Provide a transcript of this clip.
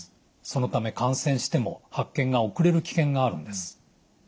そのため感染しても発見が遅れる危険があるんです。